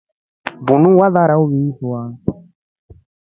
Linu warara uvishwa.